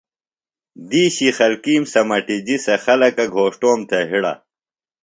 دِیشی خلکِیم سمٹِجیۡ سےۡ خلکہ گھوݜٹوم تھےۡ ہڑہ۔